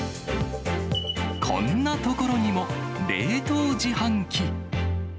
こんな所にも、冷凍自販機。